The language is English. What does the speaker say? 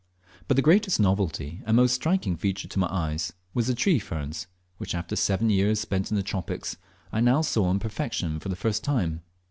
But the greatest novelty and most striking feature to my eyes were the tree ferns, which, after seven years spent in the tropics, I now saw in perfection for the first time.